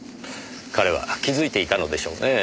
彼は気づいていたのでしょうねぇ。